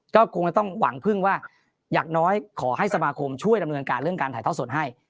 ก็คงจะต้องหวังพึ่งว่าอย่างน้อยขอให้สมาคมช่วยดำเนินการเรื่องการถ่ายทอดสดให้